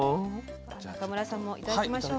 中村さんもいただきましょう。